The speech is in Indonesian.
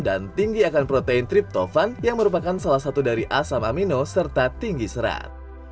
dan tinggi akan protein triptofan yang merupakan salah satu dari asam amino serta tinggi serat